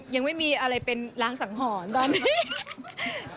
ยังไม่มีอะไรเป็นล้างสังหรณ์ตอนนี้